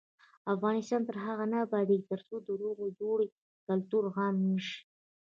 افغانستان تر هغو نه ابادیږي، ترڅو د روغې جوړې کلتور عام نشي.